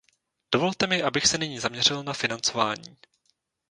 Dovolte mi, abych se nyní zaměřil na financování.